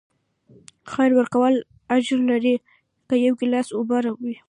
خیر ورکول اجر لري، که یو ګیلاس اوبه وي.